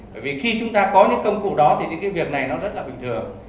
bởi vì khi chúng ta có những công cụ đó thì những cái việc này nó rất là bình thường